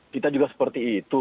kita juga seperti itu